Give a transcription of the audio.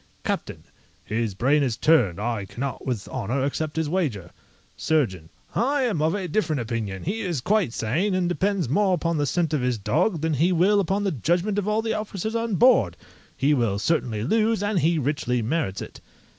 CAPTAIN His brain is turned; I cannot with honour accept his wager. SURGEON I am of a different opinion; he is quite sane, and depends more upon the scent of his dog than he will upon the judgment of all the officers on board; he will certainly lose, and he richly merits it.